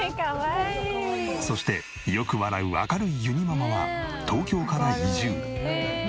そしてよく笑う明るいゆにママは東京から移住。